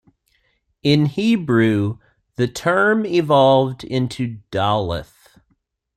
In Hebrew the term evolved into "daleth".